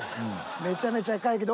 めちゃめちゃ赤いけど。